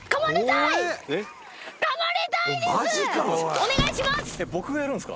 お願いします！